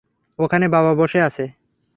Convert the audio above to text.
ওখানে বাবা বসে আছে।